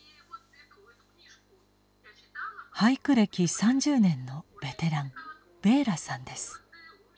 俳句歴３０年のベテランベーラさんです。